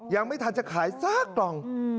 ยังไม่ทันจะขายสักกล่อง